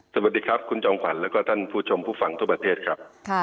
สวัสดีครับคุณจอมขวัญแล้วก็ท่านผู้ชมผู้ฟังทั่วประเทศครับ